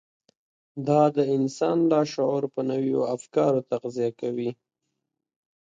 دا د انسان لاشعور په نويو افکارو تغذيه کوي.